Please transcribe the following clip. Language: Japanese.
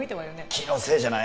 気のせいじゃない？